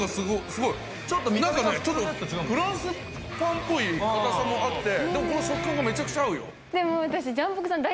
なんかフランスパンぽい硬さもあって、でもこの食感がめちゃくちゃ合うよ。